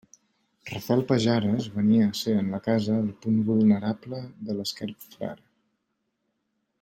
Rafel Pajares venia a ser en la casa el punt vulnerable de l'esquerp Frare.